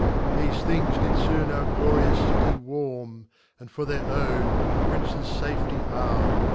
Thefe things did fbon our glorious City warm, And for their own, and Princes farety arm.